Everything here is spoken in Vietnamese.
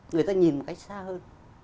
người ta nhìn một cách xa hơn